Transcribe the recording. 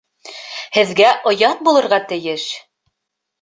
Һеҙгә оят булырға тейеш!